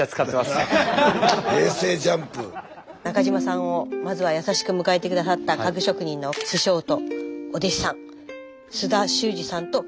中島さんをまずは優しく迎えて下さった家具職人の師匠とお弟子さん。